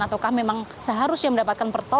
atau memang seharusnya mendapatkan keperluan